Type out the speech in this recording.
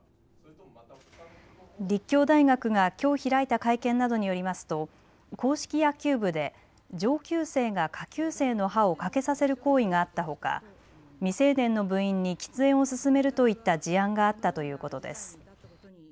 立教大学がきょう開いた会見などによりますと硬式野球部で上級生が下級生の歯を欠けさせる行為があったほか未成年の部員に喫煙を勧めるといった事案があったということです。